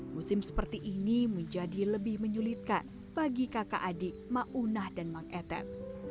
musim seperti ini menjadi lebih menyulitkan bagi kakak adik maunah dan mang etet